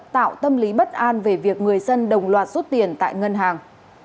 tạo tâm lý bất an về việc người dân đồng loạt rút tiền tại ngân hàng